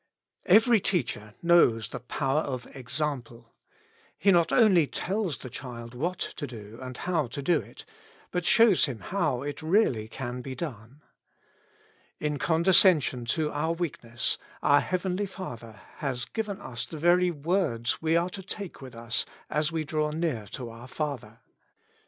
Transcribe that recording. EVERY teacher knows the power of example. He not only tells the child what to do and how to do it, but shows him how it really can be done. In condescension to our weakness, our Heavenly Teacher has given us the very words we are to take with us as we draw near to our Father.